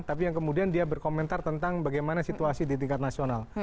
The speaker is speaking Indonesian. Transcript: tapi yang kemudian dia berkomentar tentang bagaimana situasi di tingkat nasional